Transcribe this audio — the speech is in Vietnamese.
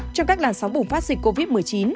trong các làn sóng bùng phát dịch covid một mươi chín